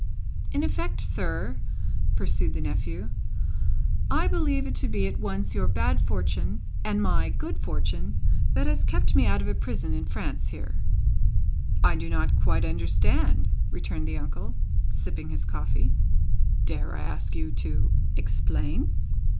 "In effect, sir," pursued the nephew, "I believe it to be at once your bad fortune, and my good fortune, that has kept me out of a prison in France here." "I do not quite understand," returned the uncle, sipping his coffee. "Dare I ask you to explain?"